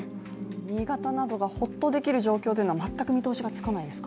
新潟などがほっとできる状況というのは全く見通しが立たないですか。